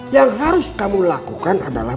yang harus kamu lakukan adalah